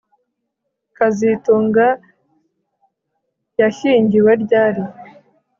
kazitunga yashyingiwe ryari